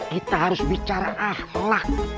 kita harus bicara ahlak